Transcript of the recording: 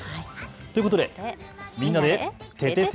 ということでみんなでててて！